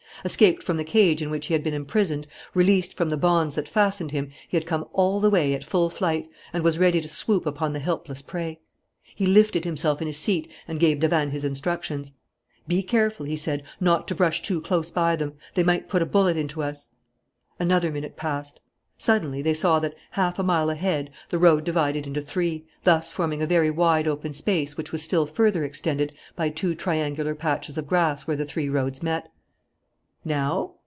Escaped from the cage in which he had been imprisoned, released from the bonds that fastened him, he had come all the way at full flight and was ready to swoop upon the helpless prey. He lifted himself in his seat and gave Davanne his instructions: "Be careful," he said, "not to brush too close by them. They might put a bullet into us." Another minute passed. Suddenly they saw that, half a mile ahead, the road divided into three, thus forming a very wide open space which was still further extended by two triangular patches of grass where the three roads met. "Now?"